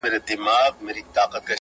له مخي په جرمني کي د افغان مرکې